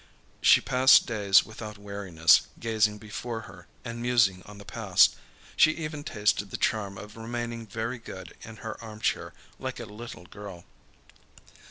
She passed days without weariness, gazing before her, and musing on the past. She even tasted the charm of remaining very good in her armchair, like a little girl.